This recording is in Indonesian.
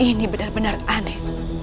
ini benar benar aneh